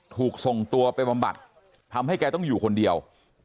ถูกส่งตัวไปบำบัดทำให้แกต้องอยู่คนเดียว